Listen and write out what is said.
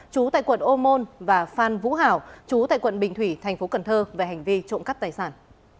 chú tại quận ô môn và phan vũ hảo chú tại quận bình thủy thành phố cần thơ về hành vi trộm cắp tài sản